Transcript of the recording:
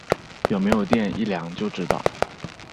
有没有电一量就知道